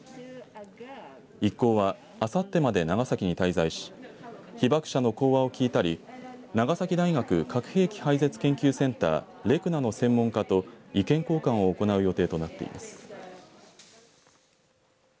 一行はあさってまで長崎に滞在し被爆者の講話を聞いたり長崎大学核兵器廃絶研究センター＝ＲＥＣＮＡの専門家と意見交換を行う予定となっています。